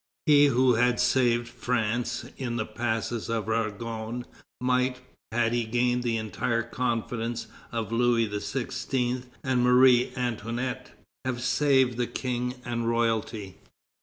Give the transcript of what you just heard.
He who saved France in the Passes of Argonne might, had he gained the entire confidence of Louis XVI. and Marie Antoinette, have saved the King and royalty.